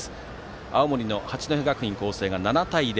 青森の八戸学院光星が７対０。